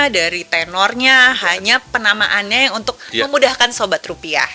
dari tenornya hanya penamaannya yang untuk memudahkan sobat rupiah